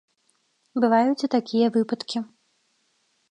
Бываюць і такія выпадкі.